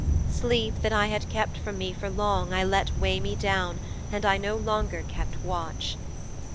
Sleep that I had kept from me for long I let weigh me down, and I no longer kept watch.'